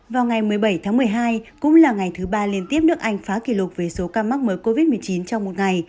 vào ngày một mươi bảy tháng một mươi hai cũng là ngày thứ ba liên tiếp nước anh phá kỷ lục về số ca mắc mới covid một mươi chín trong một ngày